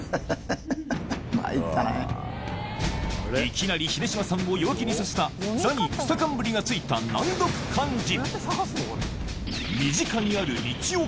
いきなり秀島さんを弱気にさせた「座」に草冠が付いた難読漢字